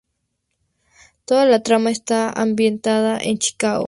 Toda la trama está ambientada en Chicago.